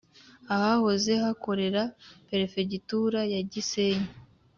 ahahoze hakorera Perefegitura ya Gisenyi